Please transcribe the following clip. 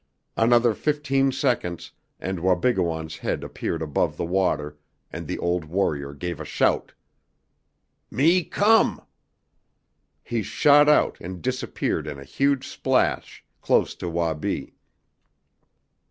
Another fifteen seconds and Wabigoon's head appeared above the water, and the old warrior gave a shout. "Me come!" He shot out and disappeared in a huge splash close to Wabi.